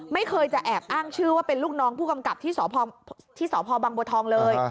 ไม่เคยจะแอบอ้างชื่อว่าเป็นลูกน้องผู้กำกับที่สพบังบัวทองเลย